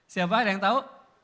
siapa ada yang tahu